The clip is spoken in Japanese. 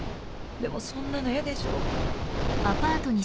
でもそんなの嫌でしょ？